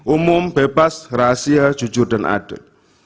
umum bebas rahasia jujur dan adil